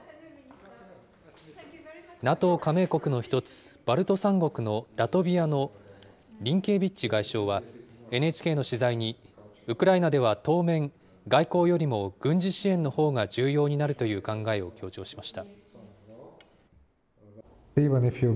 ＮＡＴＯ加盟国の一つ、バルト三国のラトビアのリンケービッチ外相は、ＮＨＫの取材に、ウクライナでは当面、外交よりも軍事支援のほうが重要になるという考えを強調しました。